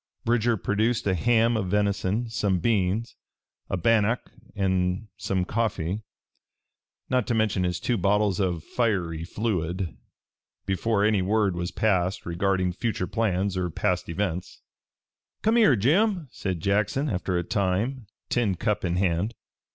Bridger produced a ham of venison, some beans, a bannock and some coffee not to mention his two bottles of fiery fluid before any word was passed regarding future plans or past events. "Come here, Jim," said Jackson after a time, tin cup in hand.